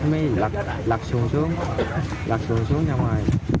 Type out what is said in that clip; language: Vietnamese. mới lật xuồng xuống lật xuồng xuống trong ngoài